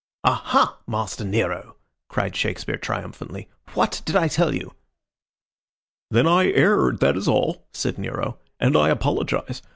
"Aha, Master Nero!" cried Shakespeare triumphantly. "What did I tell you?" "Then I erred, that is all," said Nero. "And I apologize.